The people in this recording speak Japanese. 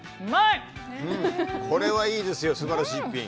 これはいいですよ素晴らしい一品。